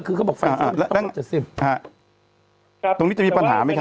คือเขาบอกไฟเซอร์ต้องลบ๗๐ตรงนี้จะมีปัญหาไหมครับ